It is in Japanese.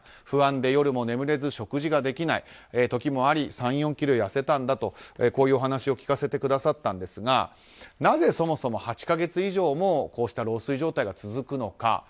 不安で夜も眠れず食事ができない時もあり３４ｋｇ痩せたんだという話も聞かせてくださったんですがなぜ、そもそも８か月以上もこうした漏水状態が続くのか。